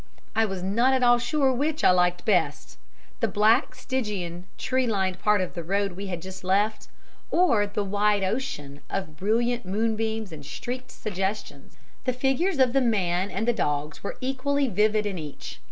I was not at all sure which I liked best the black, Stygian, tree lined part of the road we had just left, or the wide ocean of brilliant moonbeams and streaked suggestions. The figures of the man and the dogs were equally vivid in each.